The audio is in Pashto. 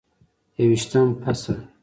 یوویشتم فصل: